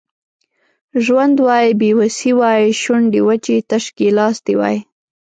ژوند وای بې وسي وای شونډې وچې تش ګیلاس دي وای